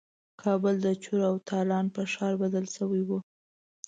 کابل د چور او تالان په ښار بدل شوی وو.